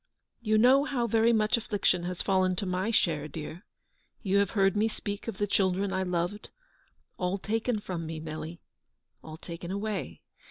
You know how very much affliction has fallen to my share, dear. You have heard me speak of the children I loved; all taken from me, Nelly, all taken away.